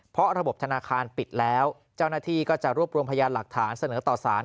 เพราะระบบธนาคารปิดแล้วเจ้าหน้าที่ก็จะรวบรวมพยานหลักฐานเสนอต่อสาร